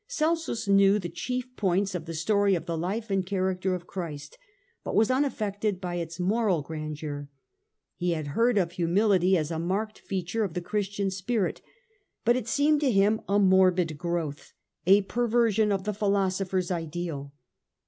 * Celsus knew the chief points of the story of the life and character of Christ, but was unaffected by its moral grandeur. He had heard of humility as a marked feature of the Christian spirit, but it seemed to him a morbid growth, a perversion of the philosopher's ideal.